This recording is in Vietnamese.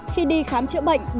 khi đi khám chữa bệnh